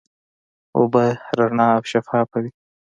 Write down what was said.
اوبه رڼا او شفافه وي.